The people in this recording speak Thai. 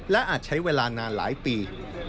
และอาจใช้เวลานานหลายปี